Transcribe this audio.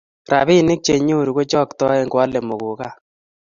robinik chenyoru kochoktoen koale muguka